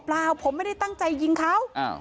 เปล่าผมไม่ได้ตั้งใจยิงเขา